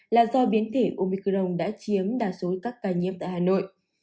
là do biến thể omicron đã chiếm đa số các ca nhiễm tại hà nội